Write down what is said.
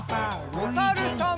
おさるさん。